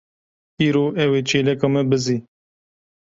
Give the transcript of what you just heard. Îro ew ê çêleka me bizê.